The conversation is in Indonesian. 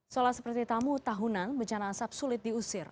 seolah seperti tamu tahunan bencana asap sulit diusir